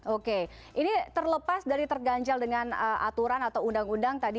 oke ini terlepas dari terganjal dengan aturan atau undang undang tadi